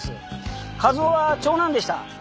和夫は長男でした。